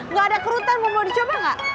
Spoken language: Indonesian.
nggak ada kerutan mau dicoba gak